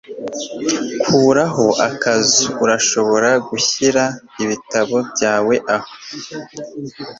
kuraho akazu, urashobora gushyira ibitabo byawe aho